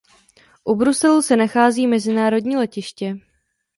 U Bruselu se nachází mezinárodní letiště.